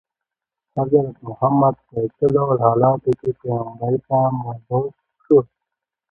حضرت محمد په څه ډول حالاتو کې پیغمبرۍ ته مبعوث شو.